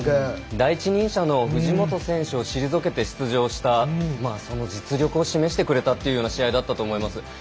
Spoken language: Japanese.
第一人者の藤本選手を退けて出場したその実力を示してくれた試合だったと思います。